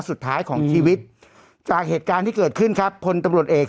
สุดท้ายของชีวิตจากเหตุการณ์ที่เกิดขึ้นครับพลตำรวจเอก